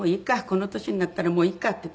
この年になったらもういいかって。